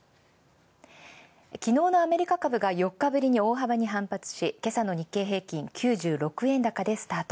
昨日のアメリカ株が４日ぶりに大幅に反発し今朝の日経平均株価、９６円高でスタート。